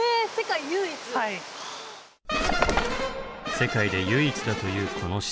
世界で唯一だというこの施設。